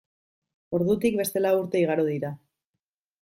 Ordutik beste lau urte igaro dira.